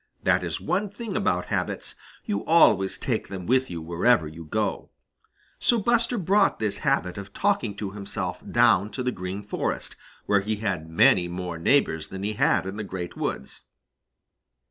That is one thing about habits, you always take them with you wherever you go. So Buster brought this habit of talking to himself down to the Green Forest, where he had many more neighbors than he had in the Great Woods.